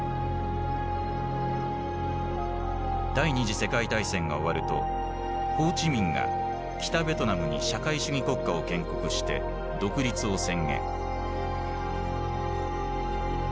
第２次世界大戦が終わるとホー・チ・ミンが北ベトナムに社会主義国家を建国して独立を宣言。